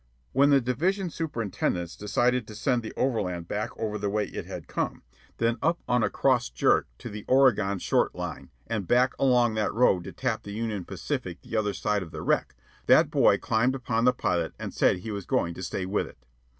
When the division superintendents decided to send the overland back over the way it had come, then up on a cross "jerk" to the Oregon Short Line, and back along that road to tap the Union Pacific the other side of the wreck, that boy climbed upon the pilot and said he was going to stay with it.